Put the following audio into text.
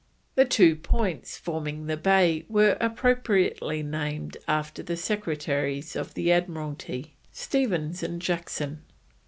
The two points forming the bay were appropriately named after the Secretaries of the Admiralty, Stephens and Jackson.